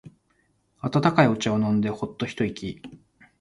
温かいお茶を飲んでホッと一息。